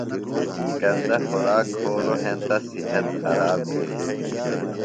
گندہ خوراک کھولوۡ ہینتہ صحت خراب بھینیۡ۔